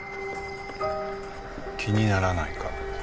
気にならないか？